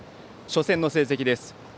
初戦の成績です。